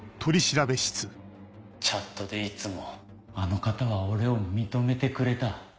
チャットでいつもあの方は俺を認めてくれた。